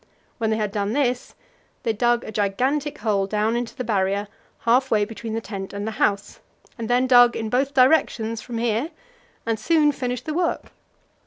When they had done this, they dug a gigantic hole down into the Barrier half way between the tent and the house, and then dug in both directions from here and soon finished the work.